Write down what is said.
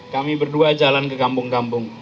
kami berdua jalan ke kampung kampung